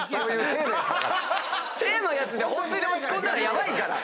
体のやつでホントに落ち込んだらヤバいから。